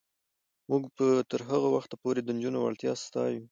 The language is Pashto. موږ به تر هغه وخته پورې د نجونو وړتیا ستایو.